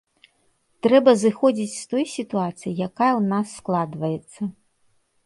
Трэба зыходзіць з той сітуацыі, якая ў нас складваецца.